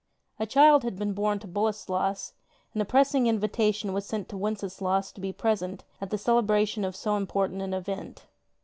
A child had been born to Boleslas, and a pressing invita tion was sent to Wenceslaus to be present at the celebration of so important an event.